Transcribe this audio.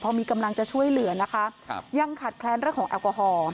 พอมีกำลังจะช่วยเหลือนะคะครับยังขาดแคลนเรื่องของแอลกอฮอล์